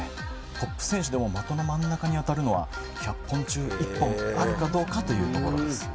トップ選手でも的の真ん中に当たるのは１００本中１本あるかどうかというところです